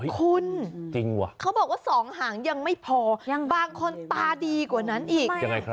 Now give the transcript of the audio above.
คุณเขาบอกว่า๒หางยังไม่พอบางคนตาดีกว่านั้นอีก